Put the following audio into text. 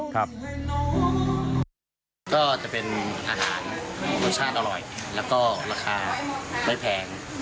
ก็จะเป็นอาหารรสชาติอร่อยแล้วก็ราคาไม่แพง